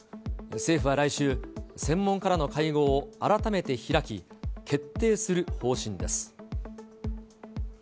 政府は来週、専門家らの会合を改めて開き、決定する方針です。